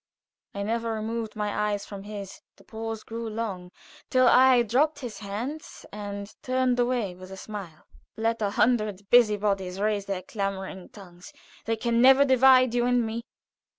I never removed my eyes from his; the pause grew long, till I dropped his hands and turned away with a smile. "Let a hundred busybodies raise their clamoring tongues, they can never divide you and me.